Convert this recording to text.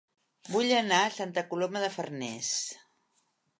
Vull anar a Santa Coloma de Farners